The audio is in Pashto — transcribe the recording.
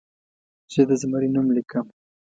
زه د زمري نوم لیکم.